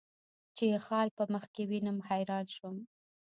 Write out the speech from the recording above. چې یې خال په مخ کې وینم، حیران شوم.